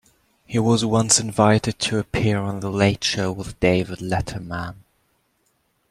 He was once invited to appear on the "Late Show with David Letterman".